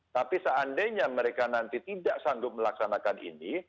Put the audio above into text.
tapi seandainya mereka nanti tidak sanggup melaksanakan ini